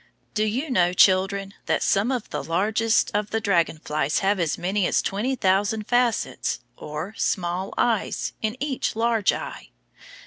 Do you know, children, that some of the largest of the dragon flies have as many as twenty thousand facets, or small eyes, in each large eye?